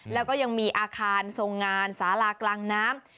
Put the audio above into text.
แล้วก็ยังมีอาคารทรงงานสาลากลางน้ำ